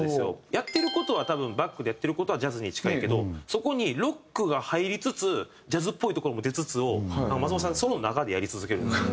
やってる事は多分バックでやってる事はジャズに近いけどそこにロックが入りつつジャズっぽいところも出つつを松本さんその中でやり続けるんですよ。